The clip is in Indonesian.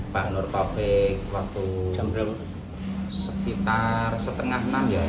pak nur taufik waktu setengah enam jam